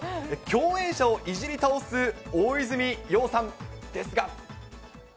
共演者をいじり倒す大泉洋さんですが。